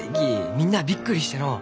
みんなあびっくりしてのう。